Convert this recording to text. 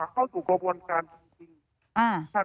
เข้าสู่กระบวนการจริง